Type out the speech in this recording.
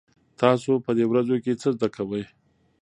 تاسو په دې ورځو کې څه زده کوئ؟